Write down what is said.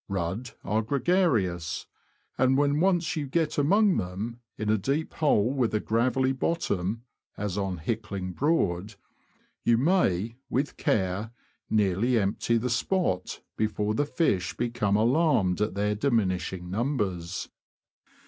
Rudd are gregarious, and, when once you get among them, in a deep hole with a gravelly bottom (as on Hickling Broad), you may, with care, nearly empty the spot before the fish become alarmed at their diminishing numbers.